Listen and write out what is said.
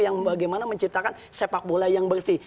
yang bagaimana menciptakan sepak bola yang bersih